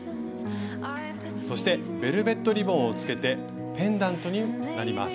そしてベルベットリボンをつけてペンダントになります。